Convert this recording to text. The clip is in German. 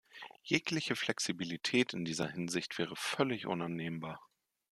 Jegliche Flexibilität in dieser Hinsicht wäre völlig unannehmbar.